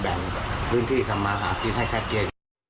แบ่งพื้นที่ทำมาหากินให้แค่เกลียร์